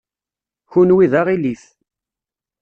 Kenwi d aɣilif.